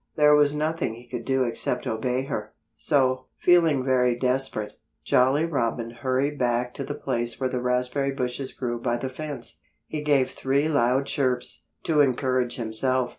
There was nothing he could do except obey her. So, feeling very desperate, Jolly Robin hurried back to the place where the raspberry bushes grew by the fence. He gave three loud chirps, to encourage himself.